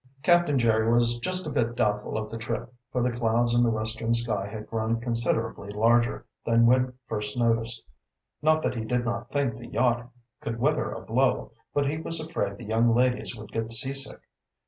Captain Jerry was just a bit doubtful of the trip, for the clouds in the western sky had grown considerably larger than when first noticed. Not that he did not think the yacht could weather a blow, but he was afraid the young ladies would get seasick.